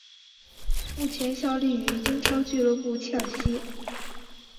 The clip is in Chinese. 目前效力于英超俱乐部切尔西。